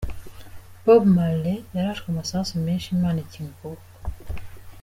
Bob Marley yarashwe amasasu menshi Imana ikinga akabo.